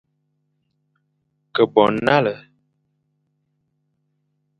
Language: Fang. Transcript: Ke bo nale,